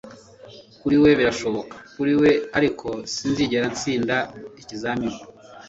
Kuri we birashoboka kuri we ariko sinzigera ntsinda ikizamini